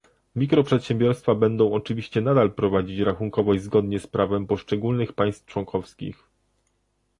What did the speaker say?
Mikroprzedsiębiorstwa będą oczywiście nadal prowadzić rachunkowość zgodnie z prawem poszczególnych państw członkowskich